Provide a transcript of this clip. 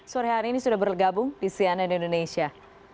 sore hari ini sudah bergabung di cnn indonesia